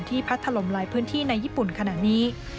พัดถล่มหลายพื้นที่ในญี่ปุ่นขณะนี้